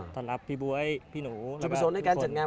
สวัสดีครับ